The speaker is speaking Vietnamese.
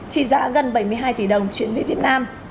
trị giá gần bảy mươi hai tỷ đồng chuyển về việt nam